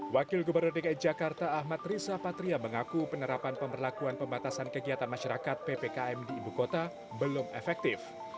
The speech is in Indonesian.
wakil gubernur dki jakarta ahmad riza patria mengaku penerapan pemberlakuan pembatasan kegiatan masyarakat ppkm di ibu kota belum efektif